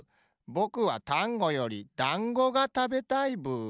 ぼくはタンゴよりだんごがたべたいブー。